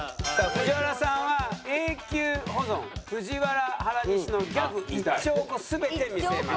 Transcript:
ＦＵＪＩＷＡＲＡさんは「永久保存ＦＵＪＩＷＡＲＡ原西のギャグ１兆個全て見せます」。